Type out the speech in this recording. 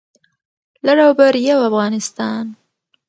لر او بر یو افغانستان